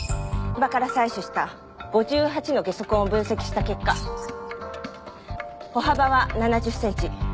現場から採取した５８のゲソ痕を分析した結果歩幅は７０センチ。